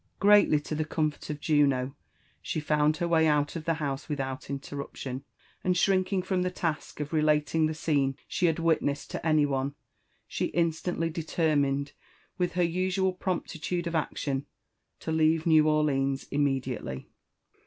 Greatly to the comfort of Juno, she found her way out of the house without interruption; and shrinking from the task of relating the scene she had witnessed to any one, she instantly determined, with her usual promptitude of action, to leave New Orleans immediately.